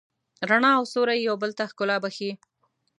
رڼا او سیوری یو بل ته ښکلا بښي.